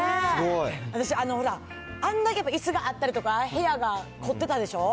私、ほら、あんだけいすがあったりとか、部屋が凝ってたでしょう。